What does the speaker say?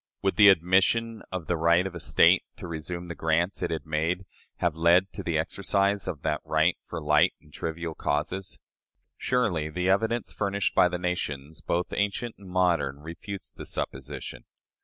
Would the admission of the right of a State to resume the grants it had made, have led to the exercise of that right for light and trivial causes? Surely the evidence furnished by the nations, both ancient and modern, refutes the supposition.